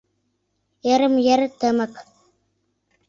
Йырым-йыр тымык.